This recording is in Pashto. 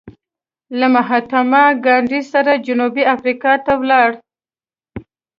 له مهاتما ګاندې سره جنوبي افریقا ته ولاړ.